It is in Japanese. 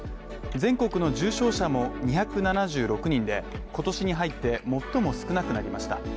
全国の重症者も２７６人で、今年に入って最も少なくなりました。